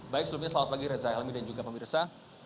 baik selamat pagi reza almi dan juga pak mirza